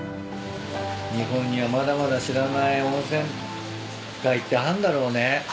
日本にはまだまだ知らない温泉街ってあんだろうね。